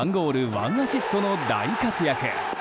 １アシストの大活躍。